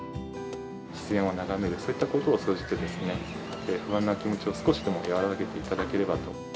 自然を眺める、そういったことを通じて、不安な気持ちを少しでも和らげていただ